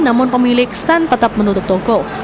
namun pemilik stand tetap menutup toko